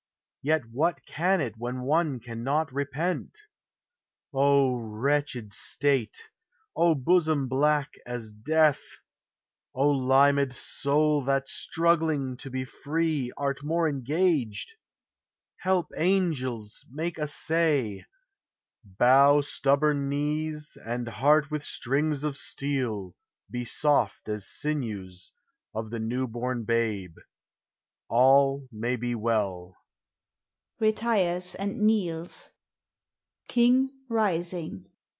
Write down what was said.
Vet what can it when one cannot repent? () wretched state! () hosom black as death! O limed soul, that, struggling to be free. Art more engaged! Help, angels! Make assay! Bow, stubborn knees; and heart with strings of steel, He soft as sinews of the new born babe! All ma v be well.